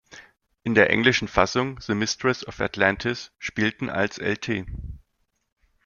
In der englischen Fassung "The Mistress of Atlantis" spielten als Lt.